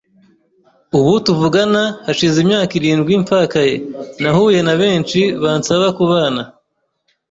ubu tuvugana hashize imyaka irindwi mfakaye nahuye na benshi bansaba kubana